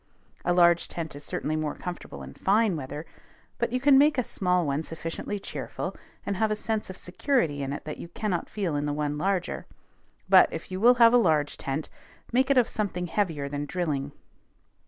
A large tent is certainly more comfortable in fine weather; but you can make a small one sufficiently cheerful, and have a sense of security in it that you cannot feel in one larger. But, if you will have a large tent, make it of something heavier than drilling.